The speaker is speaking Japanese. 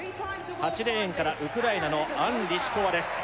８レーンからウクライナのアン・リシコワです